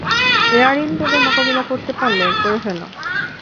Air unit তাদের মোকাবিলা করতে পারলে, করে ফেলো।